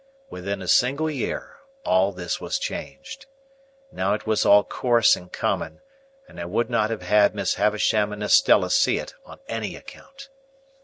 Within a single year all this was changed. Now it was all coarse and common, and I would not have had Miss Havisham and Estella see it on any account.